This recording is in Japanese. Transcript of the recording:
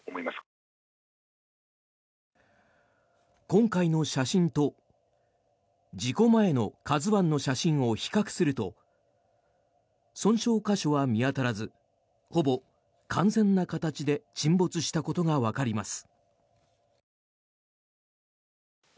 今回の写真と事故前の「ＫＡＺＵ１」の写真を比較すると損傷箇所は見当たらずほぼ完全な形で沈没したことがわかります。